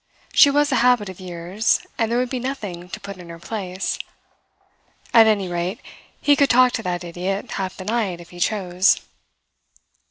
She was a habit of years, and there would be nothing to put in her place. At any rate, he could talk to that idiot half the night if he chose.